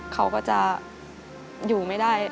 เขาก็จะอยู่ไม่ได้